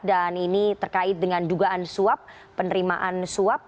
dan ini terkait dengan dugaan suap penerimaan suap